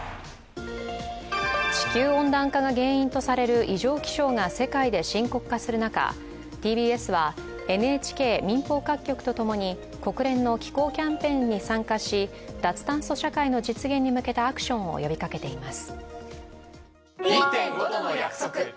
地球温暖化が原因とされる異常気象が世界で深刻化する中、ＴＢＳはＮＨＫ、民放各局とともに国連の気候キャンペーンに参加し脱炭素社会の実現に向けたアクションを呼びかけています。